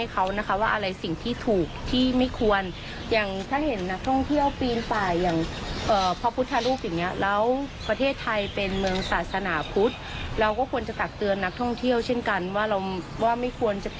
การดูถูกครุ่มวุฒิศาสนาของเราอยู่แล้วนะคะ